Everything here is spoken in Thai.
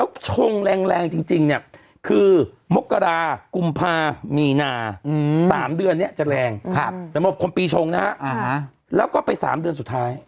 และคู่เกินแรงจริงคือสามเดือนจะแรงแล้วก็ไปสามเดือนสุดท้าย